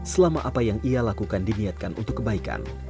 selama apa yang ia lakukan diniatkan untuk kebaikan